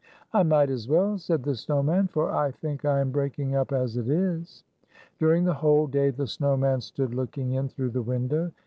"I might as well," said the snow man, "for I think I am breaking up as it is." During the whole day the snow man stood looking in through the window.